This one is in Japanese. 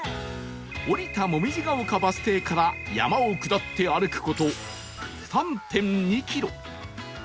降りた紅葉ヶ丘バス停から山を下って歩く事 ３．２ キロ